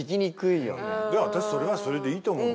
いや私それはそれでいいと思う。